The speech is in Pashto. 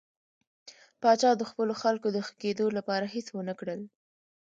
پاچا د خپلو خلکو د ښه کېدو لپاره هېڅ ونه کړل.